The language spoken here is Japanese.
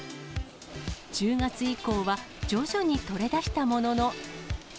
１０月以降は、徐々に取れだしたものの。